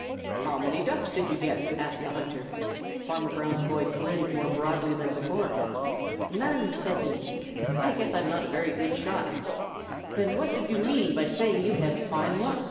"How many Ducks did you get?" asked the hunter. Farmer Brown's boy grinned more broadly than before. "None," said he. "I guess I'm not a very good shot." "Then what did you mean by saying you had fine luck?"